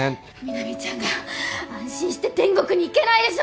南ちゃんが安心して天国に行けないでしょうが！